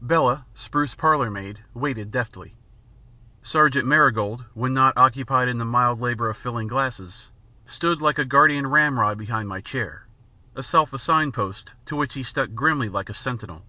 Bella, spruce parlour maid, waited deftly. Sergeant Marigold, when not occupied in the mild labour of filling glasses, stood like a guardian ramrod behind my chair a self assigned post to which he stuck grimly like a sentinel.